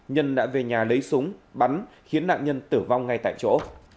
nhân đã về nhà lấy súng bắn khiến nạn nhân tử vong ngay tại chỗ